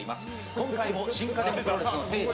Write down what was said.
今回も新家電プロレスの聖地